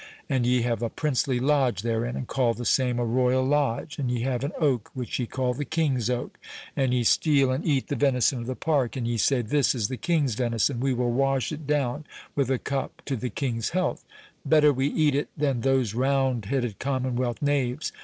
And ye have a princely Lodge therein, and call the same a Royal Lodge; and ye have an oak which ye call the King's Oak; and ye steal and eat the venison of the park, and ye say, 'This is the king's venison, we will wash it down with a cup to the king's health—better we eat it than those round headed commonwealth knaves.